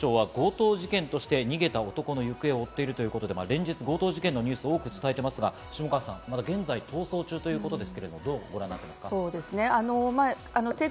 警視庁は強盗事件として逃げた男の行方を追っているということで連日、強盗事件のニュースを多く伝えていますが下川さん、現在逃走中です。